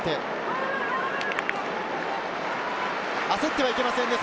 焦ってはいけませんね。